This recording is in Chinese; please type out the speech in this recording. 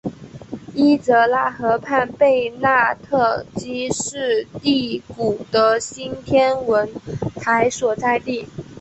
伊泽拉河畔贝纳特基是第谷的新天文台所在地。